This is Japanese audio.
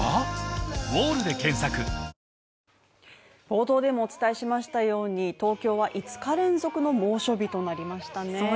冒頭でもお伝えしましたように東京は５日連続の猛暑日となりましたね。